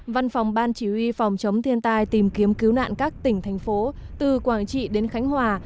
văn phòng ban chỉ huy phòng chống thiên tai tìm kiếm cứu nạn các tỉnh thành phố từ quảng trị đến khánh hòa